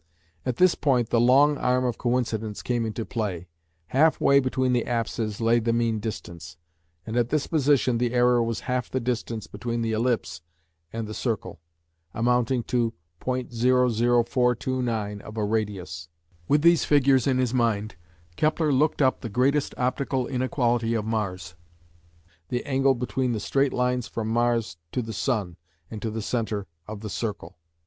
At this point the "long arm of coincidence" came into play. Half way between the apses lay the mean distance, and at this position the error was half the distance between the ellipse and the circle, amounting to .00429 of a radius. With these figures in his mind, Kepler looked up the greatest optical inequality of Mars, the angle between the straight lines from Mars to the Sun and to the centre of the circle.